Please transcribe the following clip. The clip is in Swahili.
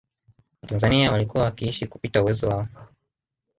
Watanzania walikuwa wakiishi kupita uwezo wao